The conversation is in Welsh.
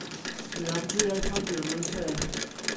Dw i am drio'u ffonio nhw yn lle.